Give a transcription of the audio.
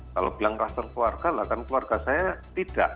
kalau bilang kluster keluarga lah kan keluarga saya tidak